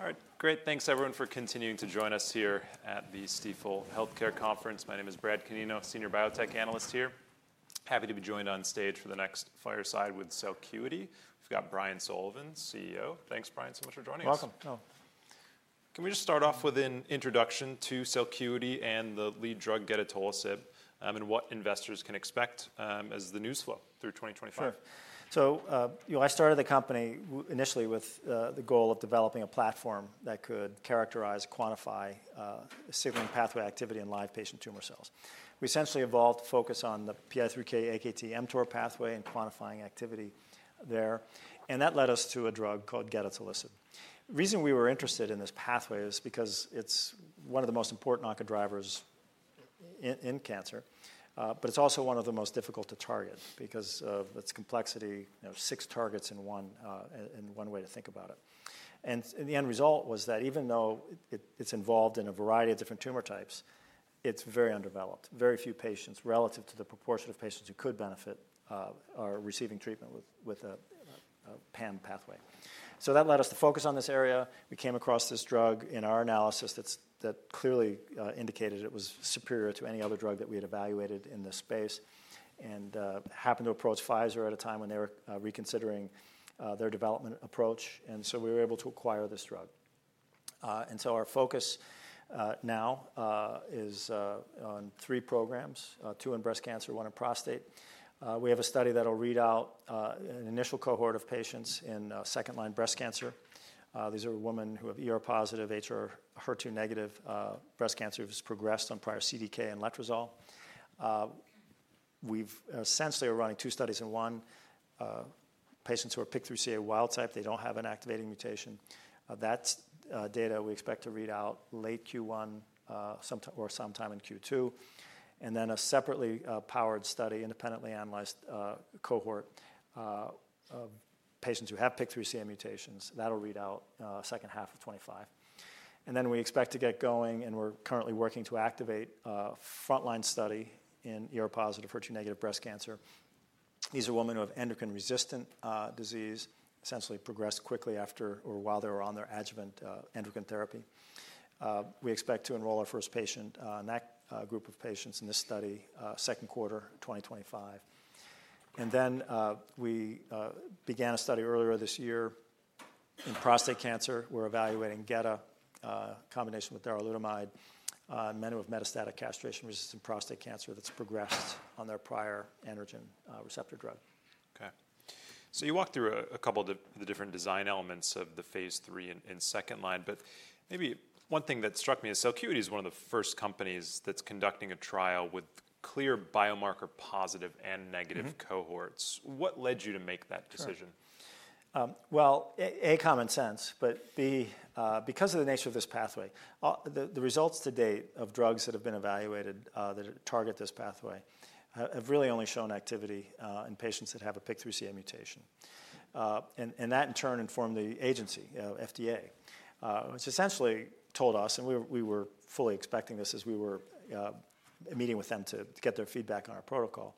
Okay. All right. Great. Thanks, everyone, for continuing to join us here at the Stifel Healthcare Conference. My name is Brad Canino, Senior Biotech Analyst here. Happy to be joined on stage for the next fireside with Celcuity. We've got Brian Sullivan, CEO. Thanks, Brian, so much for joining us. Welcome. Can we just start off with an introduction to Celcuity and the lead drug, gedatolisib, and what investors can expect as the news flow through 2025? Sure, so I started the company initially with the goal of developing a platform that could characterize, quantify signaling pathway activity in live patient tumor cells. We essentially evolved focus on the PI3K/AKT/mTOR pathway and quantifying activity there, and that led us to a drug called gedatolisib. The reason we were interested in this pathway is because it's one of the most important oncogenic drivers in cancer, but it's also one of the most difficult to target because of its complexity: six targets in one way to think about it, and the end result was that even though it's involved in a variety of different tumor types, it's very underdeveloped. Very few patients, relative to the proportion of patients who could benefit, are receiving treatment with a PAM pathway, so that led us to focus on this area. We came across this drug in our analysis that clearly indicated it was superior to any other drug that we had evaluated in this space and happened to approach Pfizer at a time when they were reconsidering their development approach, and so we were able to acquire this drug, and so our focus now is on three programs: two in breast cancer, one in prostate. We have a study that will read out an initial cohort of patients in second-line breast cancer. These are women who have HR+, HER2- breast cancer that has progressed on prior CDK and letrozole. We've essentially run two studies in one: patients who are PIK3CA wild type, they don't have an activating mutation. That data we expect to read out late Q1 or sometime in Q2. And then a separately powered study, independently analyzed cohort of patients who have PIK3CA mutations that will read out second half of 2025. And then we expect to get going, and we're currently working to activate a frontline study in HR+, HER2- breast cancer. These are women who have endocrine-resistant disease, essentially progressed quickly after or while they were on their adjuvant endocrine therapy. We expect to enroll our first patient group of patients in this study second quarter 2025. And then we began a study earlier this year in prostate cancer. We're evaluating geda, a combination with darolutamide, men who have metastatic castration-resistant prostate cancer that's progressed on their prior androgen receptor drug. Okay. So you walked through a couple of the different design elements of the phase three in second line. But maybe one thing that struck me is Celcuity is one of the first companies that's conducting a trial with clear biomarker positive and negative cohorts. What led you to make that decision? Sure. Well, A, common sense, but B, because of the nature of this pathway, the results to date of drugs that have been evaluated that target this pathway have really only shown activity in patients that have a PIK3CA mutation. And that in turn informed the agency, FDA, which essentially told us, and we were fully expecting this as we were meeting with them to get their feedback on our protocol,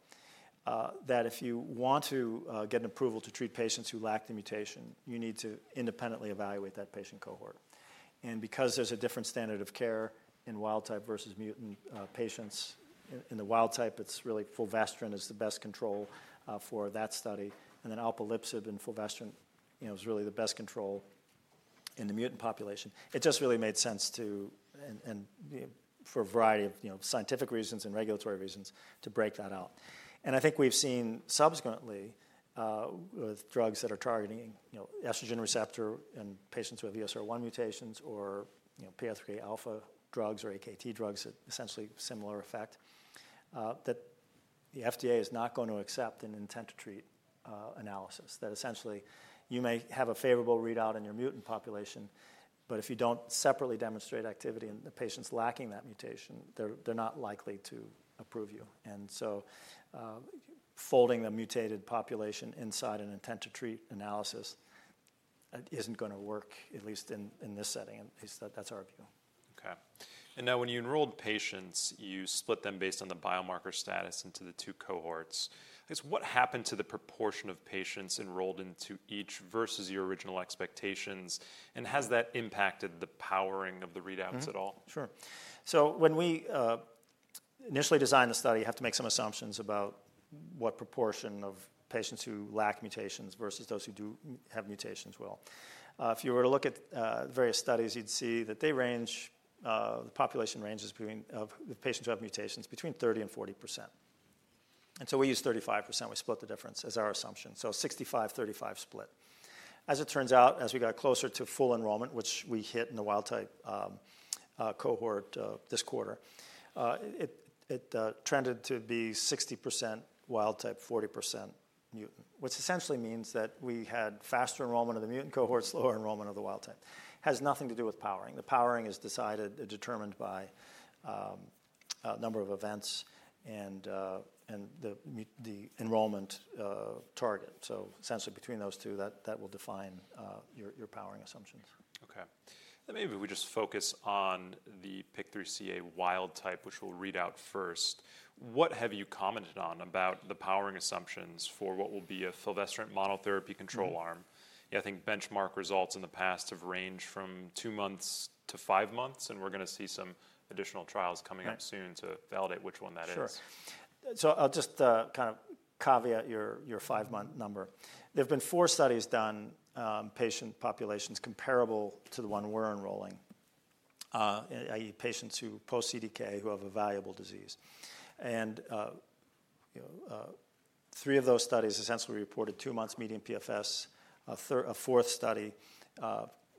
that if you want to get approval to treat patients who lack the mutation, you need to independently evaluate that patient cohort. And because there's a different standard of care in wild type versus mutant patients, in the wild type, it's really fulvestrant is the best control for that study. And then alpelisib and fulvestrant is really the best control in the mutant population. It just really made sense to, and for a variety of scientific reasons and regulatory reasons, to break that out. I think we've seen subsequently with drugs that are targeting estrogen receptor in patients with ESR1 mutations or PI3K alpha drugs or AKT drugs that essentially have a similar effect, that the FDA is not going to accept an intent-to-treat analysis. That essentially you may have a favorable readout in your mutant population, but if you don't separately demonstrate activity in the patients lacking that mutation, they're not likely to approve you. So folding the mutated population inside an intent-to-treat analysis isn't going to work, at least in this setting. At least that's our view. Okay, and now when you enrolled patients, you split them based on the biomarker status into the two cohorts. What happened to the proportion of patients enrolled into each versus your original expectations, and has that impacted the powering of the readouts at all? Sure. So when we initially designed the study, you have to make some assumptions about what proportion of patients who lack mutations versus those who do have mutations will. If you were to look at various studies, you'd see that the population ranges of patients who have mutations between 30%-40%. And so we used 35%. We split the difference as our assumption. So 65/35 split. As it turns out, as we got closer to full enrollment, which we hit in the wild type cohort this quarter, it trended to be 60% wild type, 40% mutant, which essentially means that we had faster enrollment of the mutant cohorts, lower enrollment of the wild type. It has nothing to do with powering. The powering is determined by a number of events and the enrollment target. So essentially between those two, that will define your powering assumptions. Okay. Maybe we just focus on the PIK3CA wild type, which we'll read out first. What have you commented on about the powering assumptions for what will be a fulvestrant monotherapy control arm? I think benchmark results in the past have ranged from two months to five months, and we're going to see some additional trials coming up soon to validate which one that is. Sure. So I'll just kind of caveat your five-month number. There have been four studies done on patient populations comparable to the one we're enrolling, i.e., patients who are post-CDK who have visceral disease. And three of those studies essentially reported two months median PFS. A fourth study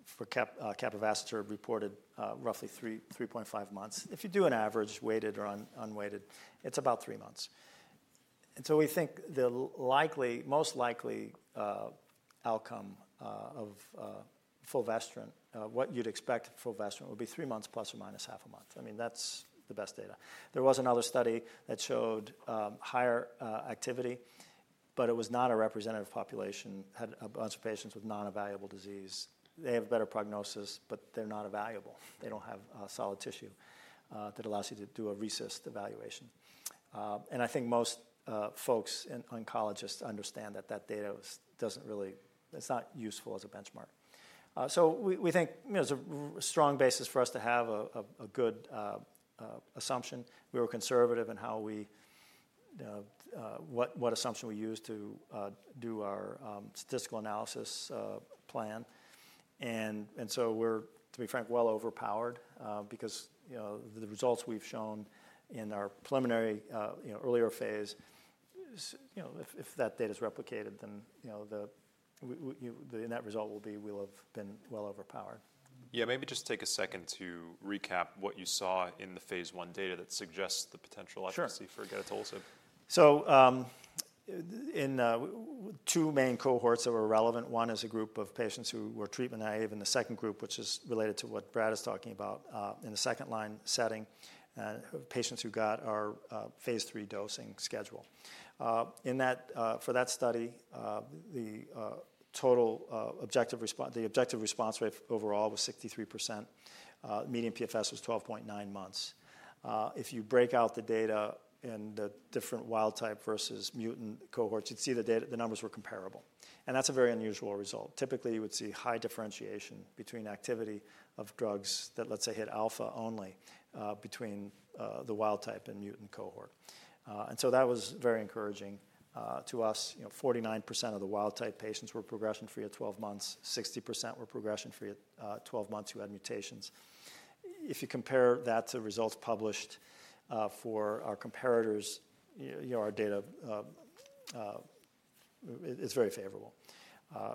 for capivasertib reported roughly 3.5 months. If you do an average, weighted or unweighted, it's about three months. And so we think the most likely outcome of fulvestrant, what you'd expect fulvestrant would be three months plus or minus half a month. I mean, that's the best data. There was another study that showed higher activity, but it was not a representative population, had a bunch of patients with non-visceral disease. They have a better prognosis, but they're not visceral. They don't have solid tissue that allows you to do a RECIST evaluation. And I think most folks and oncologists understand that that data doesn't really. It's not useful as a benchmark. So we think it's a strong basis for us to have a good assumption. We were conservative in what assumption we used to do our statistical analysis plan. And so we're, to be frank, well overpowered because the results we've shown in our preliminary earlier phase, if that data is replicated, then that result will be. We'll have been well overpowered. Yeah. Maybe just take a second to recap what you saw in the phase 1 data that suggests the potential efficacy for gedatolisib. Sure, so in two main cohorts that were relevant, one is a group of patients who were treatment naive, and the second group, which is related to what Brad is talking about in the second line setting, patients who got our phase three dosing schedule. For that study, the objective response rate overall was 63%. Median PFS was 12.9 months. If you break out the data in the different wild type versus mutant cohorts, you'd see the numbers were comparable, and that's a very unusual result. Typically, you would see high differentiation between activity of drugs that, let's say, hit alpha only between the wild type and mutant cohort, and so that was very encouraging to us. 49% of the wild type patients were progression-free at 12 months. 60% were progression-free at 12 months who had mutations. If you compare that to results published for our comparators, our data is very favorable.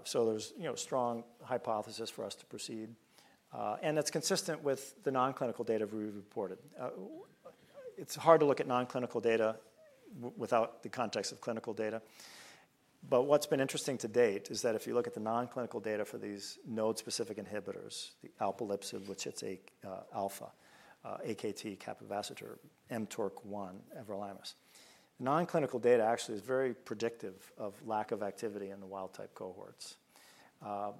So there's a strong hypothesis for us to proceed. And that's consistent with the nonclinical data we reported. It's hard to look at nonclinical data without the context of clinical data. But what's been interesting to date is that if you look at the nonclinical data for these node-specific inhibitors, alpelisib, which hits alpha, AKT, capivasertib, mTORC1, everolimus, the nonclinical data actually is very predictive of lack of activity in the wild type cohorts,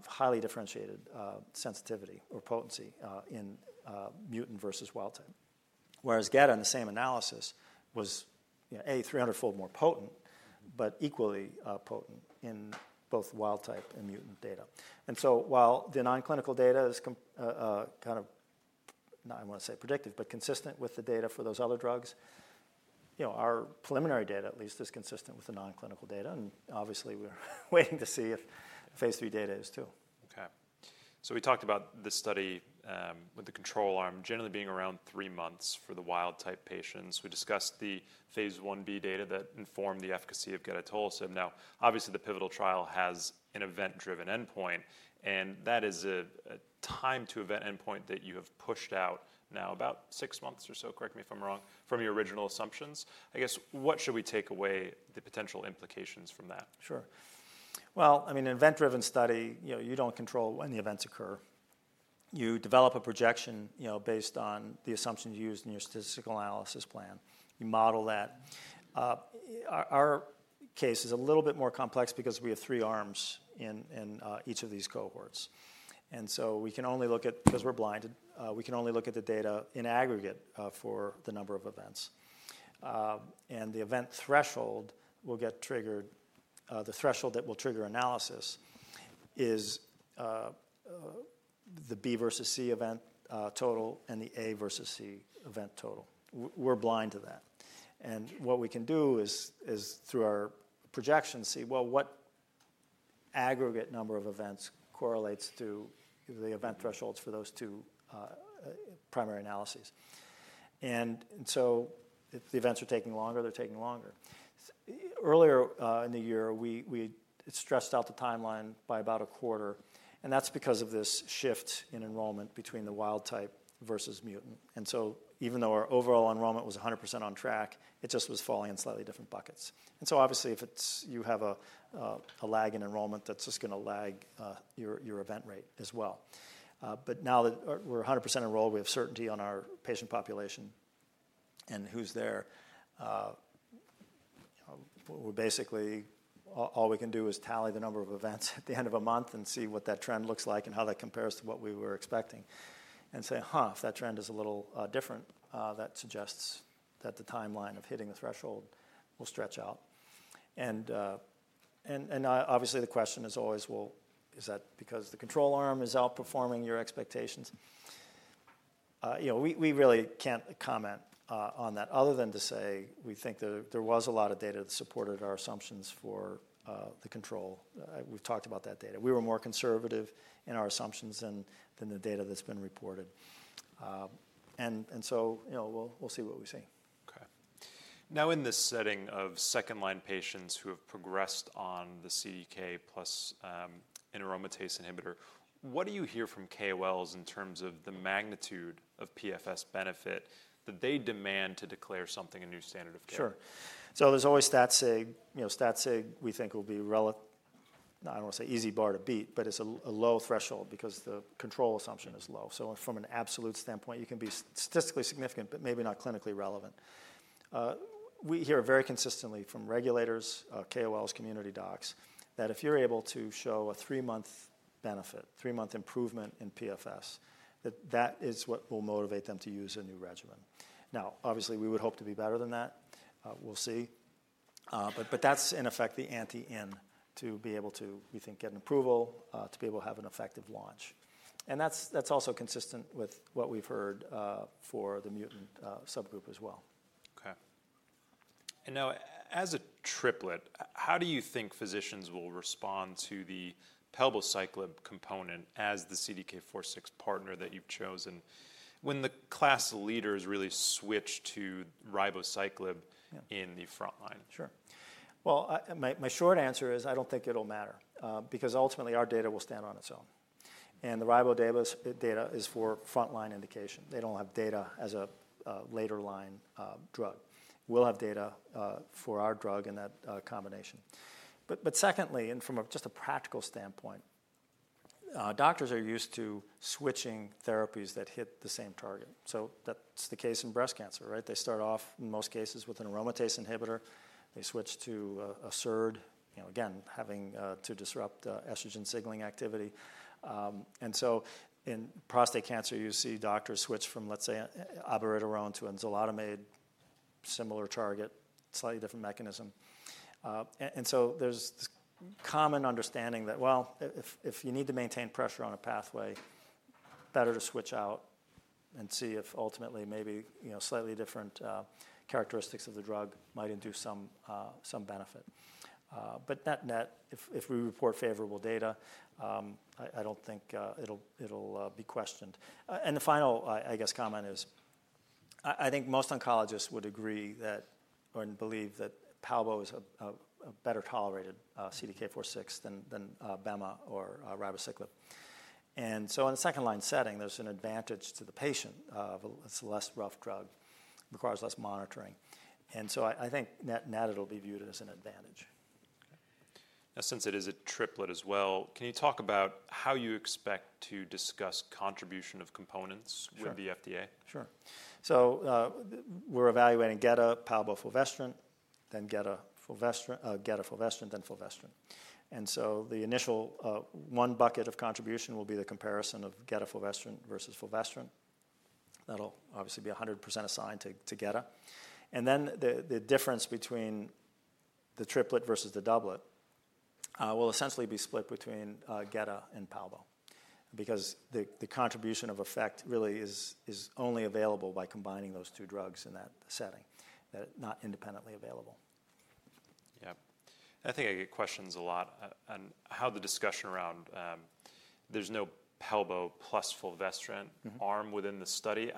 highly differentiated sensitivity or potency in mutant versus wild type. Whereas geda, in the same analysis, was a 300-fold more potent, but equally potent in both wild type and mutant data. And so while the nonclinical data is kind of, I don't want to say predictive, but consistent with the data for those other drugs, our preliminary data at least is consistent with the nonclinical data. And obviously, we're waiting to see if phase three data is too. Okay. So we talked about this study with the control arm generally being around three months for the wild-type patients. We discussed the phase 1b data that informed the efficacy of gedatolisib. Now, obviously, the pivotal trial has an event-driven endpoint, and that is a time-to-event endpoint that you have pushed out now about six months or so, correct me if I'm wrong, from your original assumptions. I guess, what should we take away the potential implications from that? Sure. Well, I mean, an event-driven study, you don't control when the events occur. You develop a projection based on the assumptions you used in your statistical analysis plan. You model that. Our case is a little bit more complex because we have three arms in each of these cohorts. And so we can only look at, because we're blinded, we can only look at the data in aggregate for the number of events. And the event threshold will get triggered, the threshold that will trigger analysis is the B versus C event total and the A versus C event total. We're blind to that. And what we can do is, through our projection, see, well, what aggregate number of events correlates to the event thresholds for those two primary analyses. And so if the events are taking longer, they're taking longer. Earlier in the year, we stretched out the timeline by about a quarter. And that's because of this shift in enrollment between the wild type versus mutant. And so even though our overall enrollment was 100% on track, it just was falling in slightly different buckets. And so obviously, if you have a lag in enrollment, that's just going to lag your event rate as well. But now that we're 100% enrolled, we have certainty on our patient population and who's there. Basically, all we can do is tally the number of events at the end of a month and see what that trend looks like and how that compares to what we were expecting and say, huh, if that trend is a little different, that suggests that the timeline of hitting the threshold will stretch out. Obviously, the question is always, well, is that because the control arm is outperforming your expectations? We really can't comment on that other than to say we think there was a lot of data that supported our assumptions for the control. We've talked about that data. We were more conservative in our assumptions than the data that's been reported. So we'll see what we see. Okay. Now, in this setting of second-line patients who have progressed on the CDK plus an aromatase inhibitor, what do you hear from KOLs in terms of the magnitude of PFS benefit that they demand to declare something a new standard of care? Sure. So there's always that. Say we think will be relative. I don't want to say easy bar to beat, but it's a low threshold because the control assumption is low. So from an absolute standpoint, you can be statistically significant, but maybe not clinically relevant. We hear very consistently from regulators, KOLs, community docs, that if you're able to show a three-month benefit, three-month improvement in PFS, that is what will motivate them to use a new regimen. Now, obviously, we would hope to be better than that. We'll see. But that's in effect the endpoint to be able to, we think, get approval to be able to have an effective launch. And that's also consistent with what we've heard for the mutant subgroup as well. Okay. And now, as a triplet, how do you think physicians will respond to the palbociclib component as the CDK4/6 partner that you've chosen when the class leaders really switch to ribociclib in the front line? Sure, well, my short answer is I don't think it'll matter because ultimately our data will stand on its own, and the ribociclib data is for front line indication. They don't have data as a later line drug. We'll have data for our drug in that combination, but secondly, and from just a practical standpoint, doctors are used to switching therapies that hit the same target, so that's the case in breast cancer, right? They start off in most cases with an aromatase inhibitor. They switch to a SERD, again, having to disrupt estrogen signaling activity, and so in prostate cancer, you see doctors switch from, let's say, abiraterone to enzalutamide, similar target, slightly different mechanism. There's this common understanding that, well, if you need to maintain pressure on a pathway, better to switch out and see if ultimately maybe slightly different characteristics of the drug might induce some benefit. But net-net, if we report favorable data, I don't think it'll be questioned. And the final, I guess, comment is I think most oncologists would agree that or believe that palbo is a better tolerated CDK4/6 than abema or ribociclib. And so in the second line setting, there's an advantage to the patient. It's a less rough drug, requires less monitoring. And so I think net-net it'll be viewed as an advantage. Now, since it is a triplet as well, can you talk about how you expect to discuss contribution of components with the FDA? Sure. So we're evaluating geda, palbo, fulvestrant, then geda, fulvestrant, then fulvestrant. And so the initial one bucket of contribution will be the comparison of geda, fulvestrant versus fulvestrant. That'll obviously be 100% assigned to geda. And then the difference between the triplet versus the doublet will essentially be split between geda and palbo because the contribution of effect really is only available by combining those two drugs in that setting, not independently available. Yeah. I think I get questions a lot on how the discussion around, there's no palbo plus fulvestrant arm within the study.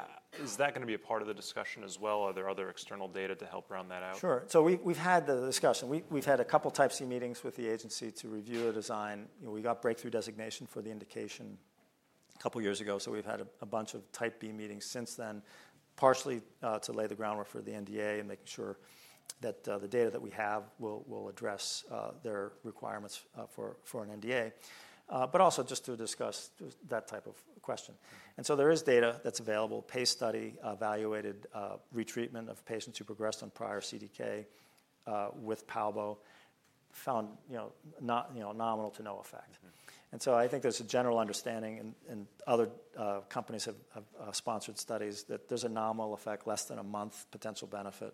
Is that going to be a part of the discussion as well? Are there other external data to help round that out? Sure. So we've had the discussion. We've had a couple of Type C meetings with the agency to review a design. We got breakthrough designation for the indication a couple of years ago. So we've had a bunch of Type B meetings since then, partially to lay the groundwork for the NDA and making sure that the data that we have will address their requirements for an NDA, but also just to discuss that type of question. And so there is data that's available, PACE study, evaluated retreatment of patients who progressed on prior CDK with palbo, found nominal to no effect. And so I think there's a general understanding, and other companies have sponsored studies, that there's a nominal effect, less than a month potential benefit.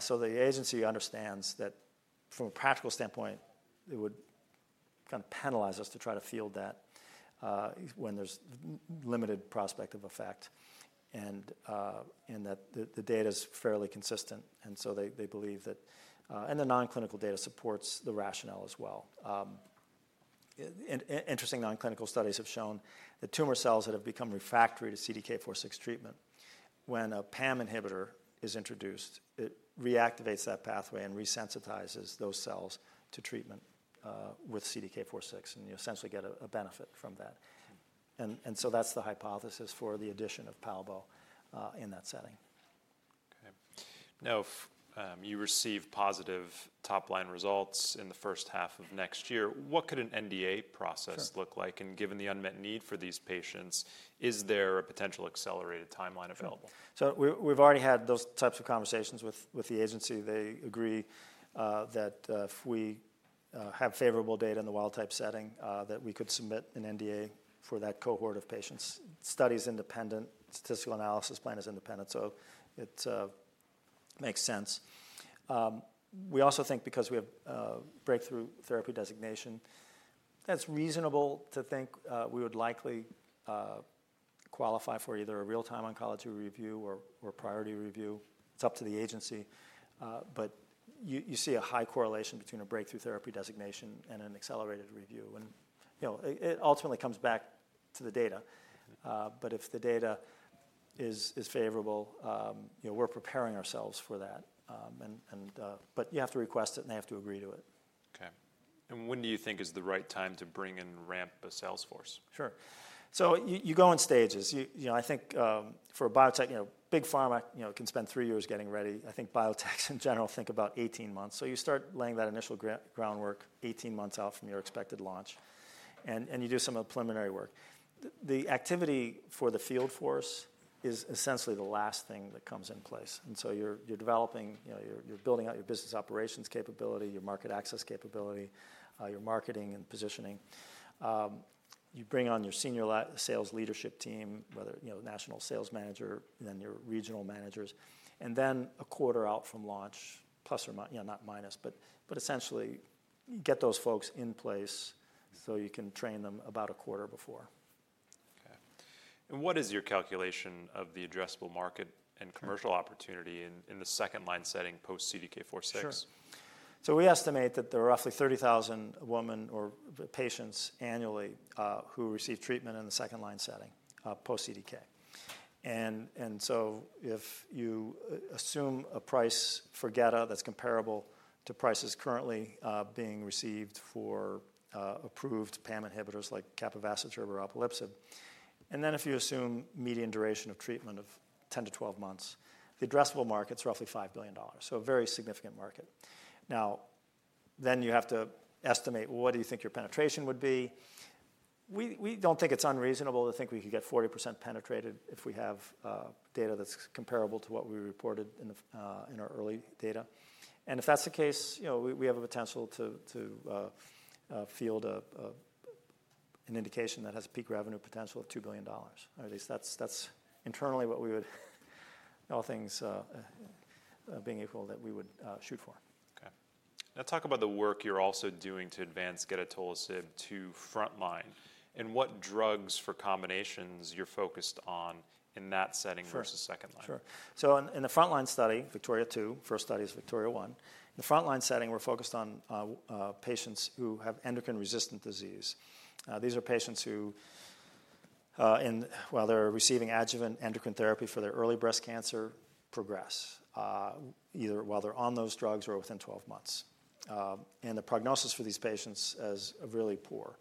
So the agency understands that from a practical standpoint, it would kind of penalize us to try to field that when there's limited prospect of effect and that the data is fairly consistent. And so they believe that, and the nonclinical data supports the rationale as well. Interesting nonclinical studies have shown that tumor cells that have become refractory to CDK4/6 treatment, when a PAM inhibitor is introduced, it reactivates that pathway and resensitizes those cells to treatment with CDK4/6 and you essentially get a benefit from that. And so that's the hypothesis for the addition of palbo in that setting. Okay. Now, if you receive positive top line results in the first half of next year, what could an NDA process look like? And given the unmet need for these patients, is there a potential accelerated timeline available? So we've already had those types of conversations with the agency. They agree that if we have favorable data in the wild type setting, that we could submit an NDA for that cohort of patients. Study is independent. Statistical analysis plan is independent. So it makes sense. We also think because we have breakthrough therapy designation, that's reasonable to think we would likely qualify for either a Real-Time Oncology Review or Priority Review. It's up to the agency. But you see a high correlation between a breakthrough therapy designation and an accelerated review. And it ultimately comes back to the data. But if the data is favorable, we're preparing ourselves for that. But you have to request it and they have to agree to it. Okay. And when do you think is the right time to bring in ramp of sales force? Sure. So you go in stages. I think for a biotech, big pharma can spend three years getting ready. I think biotechs in general think about 18 months. So you start laying that initial groundwork 18 months out from your expected launch. And you do some of the preliminary work. The activity for the field force is essentially the last thing that comes in place. And so you're developing, you're building out your business operations capability, your market access capability, your marketing and positioning. You bring on your senior sales leadership team, whether national sales manager, then your regional managers. And then a quarter out from launch, plus or minus, not minus, but essentially get those folks in place so you can train them about a quarter before. Okay, and what is your calculation of the addressable market and commercial opportunity in the second line setting post-CDK4/6? Sure. So we estimate that there are roughly 30,000 women or patients annually who receive treatment in the second-line setting post-CDK. And so if you assume a price for geda that's comparable to prices currently being received for approved PAM inhibitors like capivasertib or alpelisib, and then if you assume median duration of treatment of 10-12 months, the addressable market's roughly $5 billion. So a very significant market. Now, then you have to estimate what do you think your penetration would be. We don't think it's unreasonable to think we could get 40% penetrated if we have data that's comparable to what we reported in our early data. And if that's the case, we have a potential to fill an indication that has a peak revenue potential of $2 billion. At least that's internally what we would shoot for, all things being equal. Okay. Now talk about the work you're also doing to advance gedatolisib to front line. And what drugs for combinations you're focused on in that setting versus second line? Sure. So in the frontline study, VIKTORIA-2, first study is VIKTORIA-1. In the frontline setting, we're focused on patients who have endocrine resistant disease. These are patients who, while they're receiving adjuvant endocrine therapy for their early breast cancer, progress either while they're on those drugs or within 12 months, and the prognosis for these patients is really poor.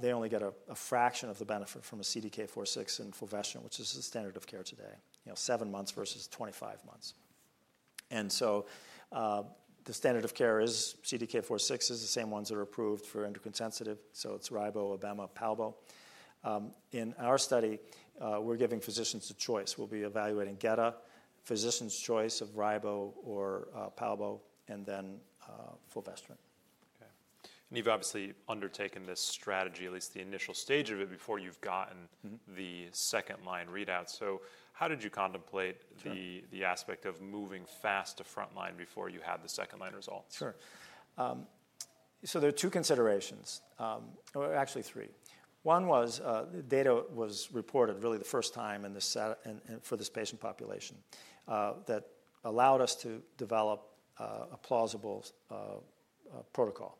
They only get a fraction of the benefit from a CDK4/6 and fulvestrant, which is the standard of care today, seven months versus 25 months, and so the standard of care is CDK4/6 is the same ones that are approved for endocrine sensitive, so it's ribo, abema, palbo. In our study, we're giving physicians a choice. We'll be evaluating geda, physicians' choice of ribo or palbo, and then fulvestrant. Okay. And you've obviously undertaken this strategy, at least the initial stage of it, before you've gotten the second line readout. So how did you contemplate the aspect of moving fast to front line before you had the second line results? Sure. So there are two considerations, or actually three. One was data was reported really the first time for this patient population that allowed us to develop a plausible protocol.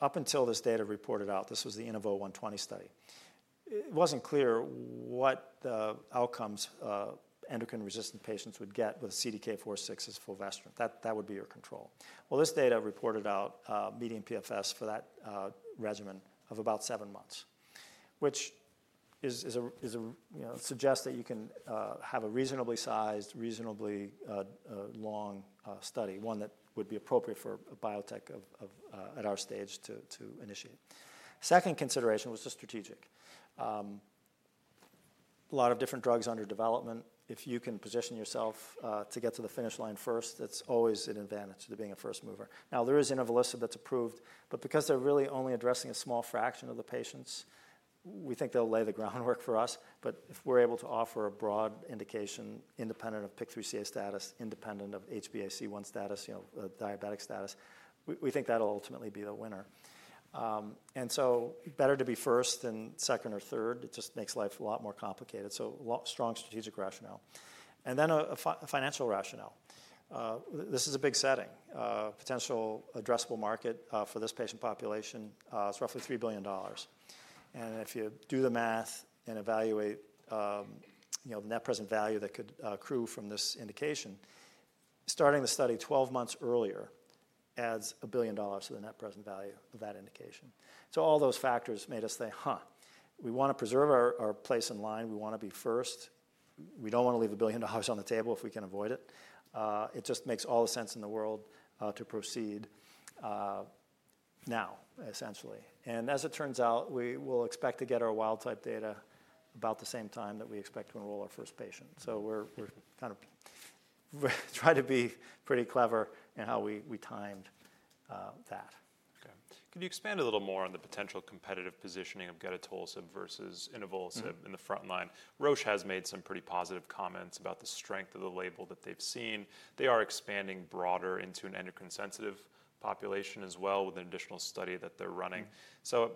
Up until this data reported out, this was the INAVO120 study. It wasn't clear what the outcomes endocrine resistant patients would get with CDK4/6 as fulvestrant. That would be your control. Well, this data reported out median PFS for that regimen of about seven months, which suggests that you can have a reasonably sized, reasonably long study, one that would be appropriate for a biotech at our stage to initiate. Second consideration was the strategic. A lot of different drugs under development. If you can position yourself to get to the finish line first, that's always an advantage to being a first mover. Now, there is inavolisib that's approved, but because they're really only addressing a small fraction of the patients, we think they'll lay the groundwork for us. But if we're able to offer a broad indication independent of PIK3CA status, independent of HbA1c status, diabetic status, we think that'll ultimately be the winner. And so better to be first than second or third. It just makes life a lot more complicated. So strong strategic rationale. And then a financial rationale. This is a big setting. Potential addressable market for this patient population is roughly $3 billion. And if you do the math and evaluate the net present value that could accrue from this indication, starting the study 12 months earlier adds $1 billion to the net present value of that indication. So all those factors made us say, "Huh, we want to preserve our place in line. We want to be first. We don't want to leave $1 billion on the table if we can avoid it." It just makes all the sense in the world to proceed now, essentially. And as it turns out, we will expect to get our wild type data about the same time that we expect to enroll our first patient. So we're kind of trying to be pretty clever in how we timed that. Okay. Can you expand a little more on the potential competitive positioning of gedatolisib versus inavolisib in the front line? Roche has made some pretty positive comments about the strength of the label that they've seen. They are expanding broader into an endocrine-sensitive population as well with an additional study that they're running. So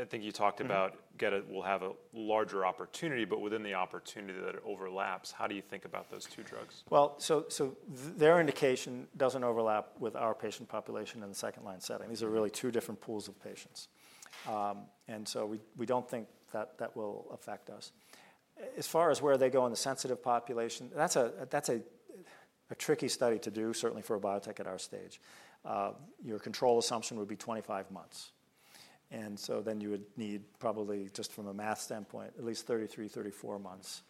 I think you talked about gedatolisib will have a larger opportunity, but within the opportunity that it overlaps, how do you think about those two drugs? Well, so their indication doesn't overlap with our patient population in the second-line setting. These are really two different pools of patients. And so we don't think that that will affect us. As far as where they go in the sensitive population, that's a tricky study to do, certainly for a biotech at our stage. Your control assumption would be 25 months. And so then you would need probably just from a math standpoint, at least 33, 34 months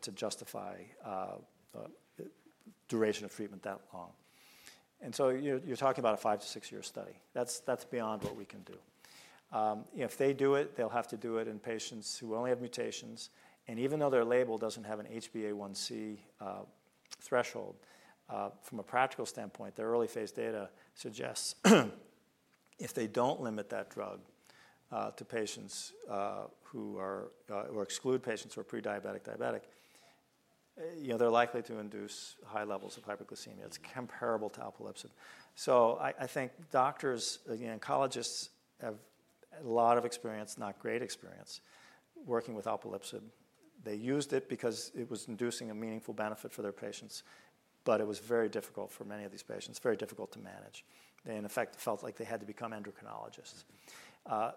to justify the duration of treatment that long. And so you're talking about a five- to six-year study. That's beyond what we can do. If they do it, they'll have to do it in patients who only have mutations. And even though their label doesn't have an HbA1c threshold, from a practical standpoint, their early phase data suggests if they don't limit that drug to patients who are or exclude patients who are prediabetic, diabetic, they're likely to induce high levels of hyperglycemia. It's comparable to alpelisib. So I think doctors, oncologists have a lot of experience, not great experience working with alpelisib. They used it because it was inducing a meaningful benefit for their patients, but it was very difficult for many of these patients, very difficult to manage. They, in effect, felt like they had to become endocrinologists.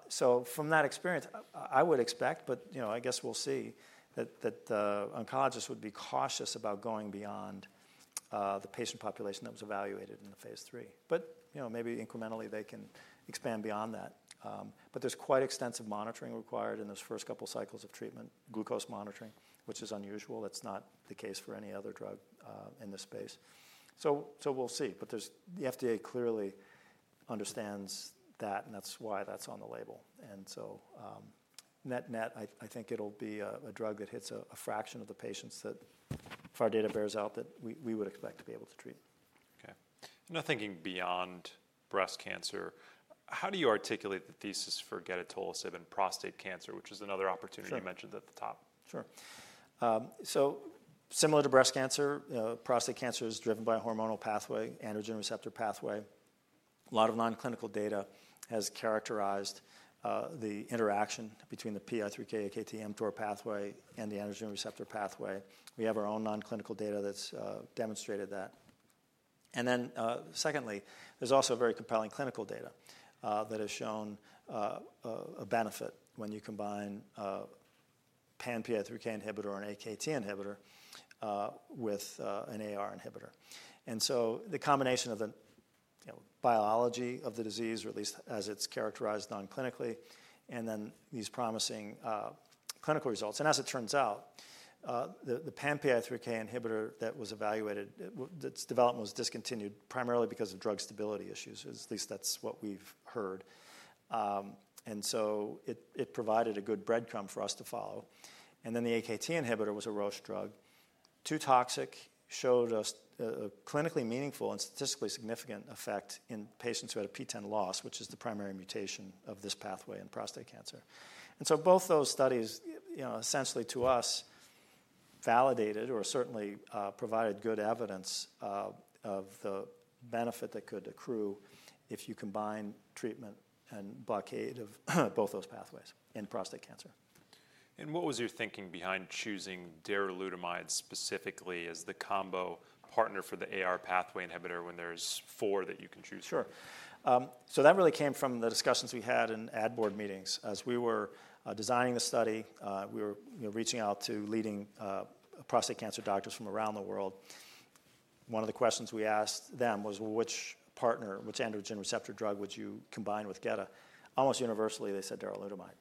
So from that experience, I would expect, but I guess we'll see that oncologists would be cautious about going beyond the patient population that was evaluated in the phase 3. But maybe incrementally they can expand beyond that. But there's quite extensive monitoring required in those first couple of cycles of treatment, glucose monitoring, which is unusual. That's not the case for any other drug in this space. So we'll see. But the FDA clearly understands that, and that's why that's on the label. And so net net, I think it'll be a drug that hits a fraction of the patients that, if our data bears out, that we would expect to be able to treat. Okay. Now thinking beyond breast cancer, how do you articulate the thesis for geda, darolutamide and prostate cancer, which was another opportunity you mentioned at the top? Sure. So similar to breast cancer, prostate cancer is driven by a hormonal pathway, androgen receptor pathway. A lot of nonclinical data has characterized the interaction between the PI3K/AKT mTOR pathway and the androgen receptor pathway. We have our own nonclinical data that's demonstrated that. And then secondly, there's also very compelling clinical data that has shown a benefit when you combine PAM PI3K inhibitor or an AKT inhibitor with an AR inhibitor. And so the combination of the biology of the disease, or at least as it's characterized nonclinically, and then these promising clinical results. And as it turns out, the PAM PI3K inhibitor that was evaluated, its development was discontinued primarily because of drug stability issues. At least that's what we've heard. And so it provided a good breadcrumb for us to follow. And then the AKT inhibitor was a Roche drug. Too toxic, showed a clinically meaningful and statistically significant effect in patients who had a PTEN loss, which is the primary mutation of this pathway in prostate cancer, and so both those studies essentially to us validated or certainly provided good evidence of the benefit that could accrue if you combine treatment and blockade of both those pathways in prostate cancer. What was your thinking behind choosing darolutamide specifically as the combo partner for the AR pathway inhibitor when there's four that you can choose from? Sure. So that really came from the discussions we had in ad board meetings. As we were designing the study, we were reaching out to leading prostate cancer doctors from around the world. One of the questions we asked them was, "Well, which partner, which androgen receptor drug would you combine with geda?" Almost universally, they said darolutamide.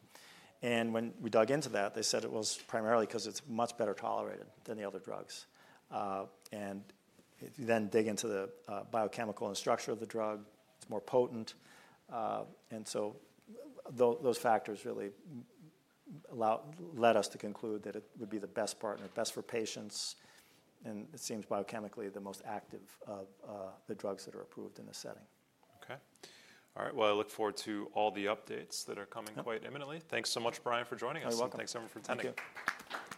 And when we dug into that, they said it was primarily because it's much better tolerated than the other drugs. And then dig into the biochemical and structure of the drug, it's more potent. And so those factors really let us to conclude that it would be the best partner, best for patients, and it seems biochemically the most active of the drugs that are approved in this setting. Okay. All right. Well, I look forward to all the updates that are coming quite imminently. Thanks so much, Brian, for joining us. You're welcome. Thanks everyone for attending. Thank you.